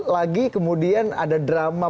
lagi kemudian ada drama